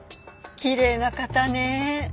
きれいな方ね。